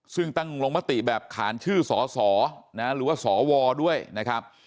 ซึ่งตั้งลงมติแบบขานชื่อสสหรือว่าสวด้วยนะครับ